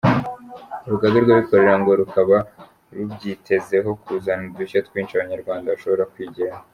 Urugaga rw’abikorera ngo rukaba rubyitezeho kuzana udushya twinshi Abanyarwanda bashobora kwigiraho.